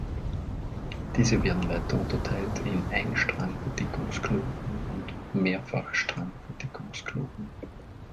Diese werden weiter unterteilt in Ein-Strang-Verdickungsknoten und Mehrfach-Strang-Verdickungsknoten.